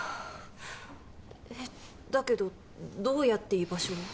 はぁえっだけどどうやって居場所を？